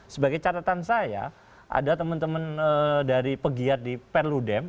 sebagai catatan saya ada teman teman dari pegiat di perludem